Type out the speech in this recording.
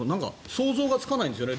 想像がつかないんですよね。